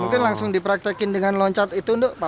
mungkin langsung dipraktekin dengan loncat itu pak